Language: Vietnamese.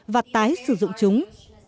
và tái sử dụng chúng